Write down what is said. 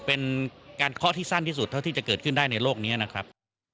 เป็นการเคาะที่สั้นที่สุดเท่าที่จะเกิดขึ้นได้ในโลกนี้นะครับ